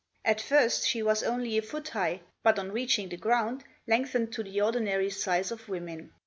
At first she was only a foot high, but on reaching the ground lengthened to the ordinary size of women.